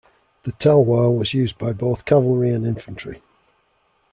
The talwar was used by both cavalry and infantry.